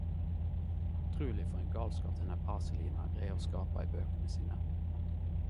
Utruleg for ein galskap denne Paasilinna greier å skape i bøkene sine.